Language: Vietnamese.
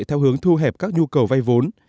theo hướng thu hẹp các nhu cầu vai vốn